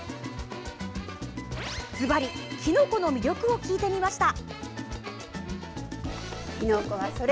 ずばり、きのこの魅力を聞いてみました。